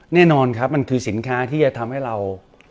แน่นอนครับมันคือสินค้าที่จะทำให้เรา